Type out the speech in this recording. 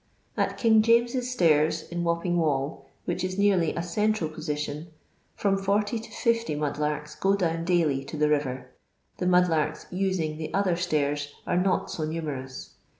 At King James' Stairs, in Wapping Wall, which is nearly a central position, from 40 to 60 mud larks go down daily to the rirer ; the mud hurks " tising" the other stairs are not so numerouf.